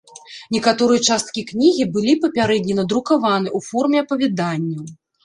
Некаторыя часткі кнігі былі папярэдне надрукаваны ў форме апавяданняў.